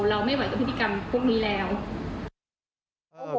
เราไม่ไหวกับพฤติกรรมพวกนี้แล้ว